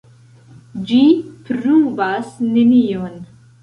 Ĝi pruvas nenion.